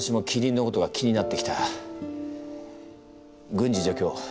郡司助教